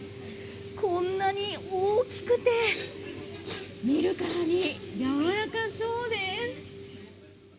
こんなに大きくて見るからにやわらかそうです。